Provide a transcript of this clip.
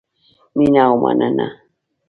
مینه او مننه